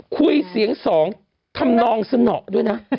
คุยเสียงสองทำนองสนอด้วยนะ